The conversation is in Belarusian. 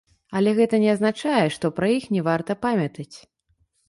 Але гэта не азначае, што пра іх не варта памятаць.